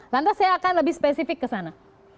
lantas saya akan lebih spesifik ke sana